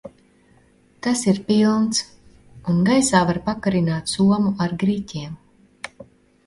Tas ir pilns un gaisā var pakarināt somu ar griķiem.